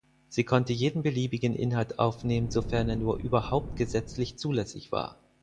Sie konnte jeden beliebigen Inhalt aufnehmen, sofern er nur überhaupt gesetzlich zulässig war.